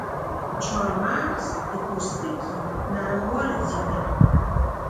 چارمغز د پوستکي نرموالی زیاتوي.